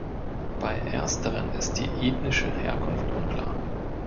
Bei ersteren ist die ethnische Herkunft unklar.